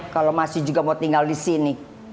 kalo masih juga mau tinggal disini